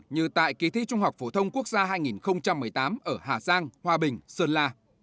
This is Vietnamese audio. như tại kỳ thi trung học phổ thông quốc gia hai nghìn một mươi tám ở hà giang hòa bình sơn la